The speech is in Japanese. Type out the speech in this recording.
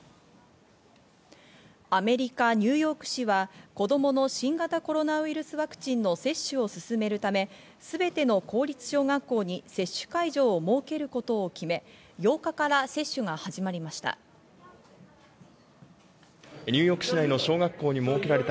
アメリカ・ニューヨーク州は子供の新型コロナウイルスワクチンの接種を進めるため、すべての公立小学校に接種会場を設けることを決め、８日から接種が始まりました。